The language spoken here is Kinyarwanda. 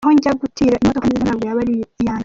Naho najya gutira imodoka nziza ntabwo yaba ari iyanjya.